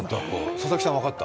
佐々木さん分かった？